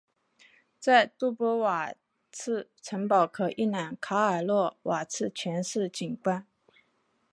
在杜波瓦茨城堡可一览卡尔洛瓦茨全市景观。